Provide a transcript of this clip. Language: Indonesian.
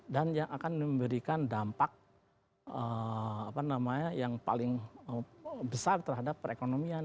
dan yang akan memberikan dampak yang paling besar terhadap perekonomian